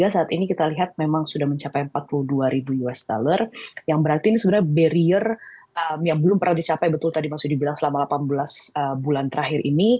saat ini kita lihat memang sudah mencapai empat puluh dua ribu usd yang berarti ini sebenarnya barrier yang belum pernah dicapai betul tadi mas yudi bilang selama delapan belas bulan terakhir ini